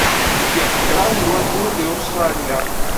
Kkiɣ kraḍ n wayyuren deg Ustṛalya.